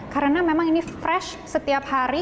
karena memang ini fresh setiap hari